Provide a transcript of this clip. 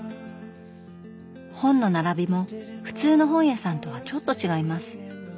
本の並びも普通の本屋さんとはちょっと違います。